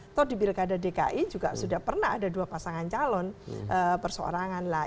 atau di pilkada dki juga sudah pernah ada dua pasangan calon perseorangan lah